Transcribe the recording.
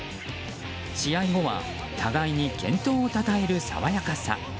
試合後は互いに健闘をたたえる爽やかさ。